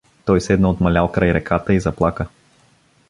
Той седна отмалял край реката и заплака.